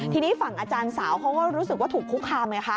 ทีนี้ฝั่งอาจารย์สาวเขาก็รู้สึกว่าถูกคุกคามไงคะ